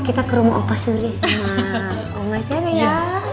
kita ke rumah opa suri sama oma sarah ya